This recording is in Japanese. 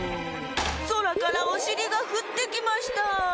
そらからおしりがふってきました。